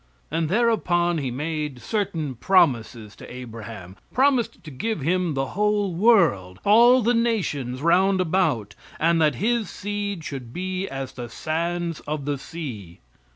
And thereupon He made certain promises to Abraham promised to give him the whole world, all the nations round about, and that his seed should be as the sands of the sea.